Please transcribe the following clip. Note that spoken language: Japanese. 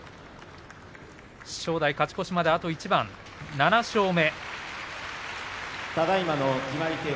正代、勝ち越しまであと一番７勝目。